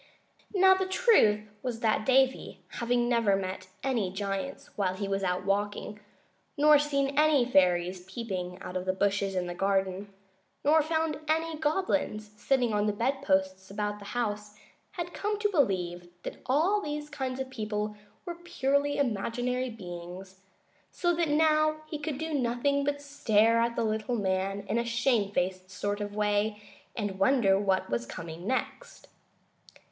Now the truth was that Davy, having never met any giants when he was out walking, nor seen any fairies peeping out of the bushes in the garden, nor found any goblins sitting on the bedposts about the house, had come to believe that all these kinds of people were purely imaginary beings, so that now he could do nothing but stare at the little man in a shamefaced sort of way and wonder what was coming next.